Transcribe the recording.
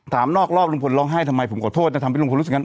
นอกรอบลุงพลร้องไห้ทำไมผมขอโทษนะทำให้ลุงพลรู้สึกงั้น